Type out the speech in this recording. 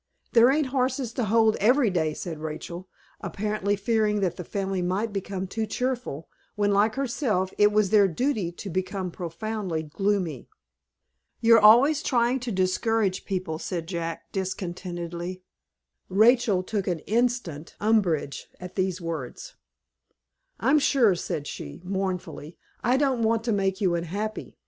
"There ain't horses to hold every day," said Rachel, apparently fearing that the family might become too cheerful, when, like herself, it was their duty to become profoundly gloomy. "You're always trying' to discourage people," said Jack, discontentedly. Rachel took instant umbrage at these words. "I'm sure," said she; mournfully, "I don't want to make you unhappy.